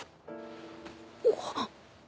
あっ。